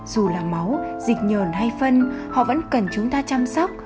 dù là máu dịch nhồn hay phân họ vẫn cần chúng ta chăm sóc